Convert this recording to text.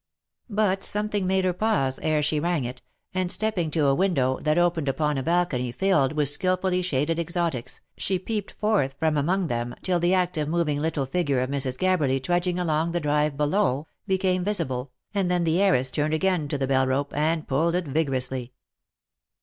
But something made her pause ere she rang it, and stepping to a window, that opened upon a balcony filled with skilfully shaded exotics, she peeped forth from among them, till the active moving little figure of Mrs. Gabberly trudging along the drive below, became visible, and then the heiress turned again to the bell rope, and pulled it vigorously.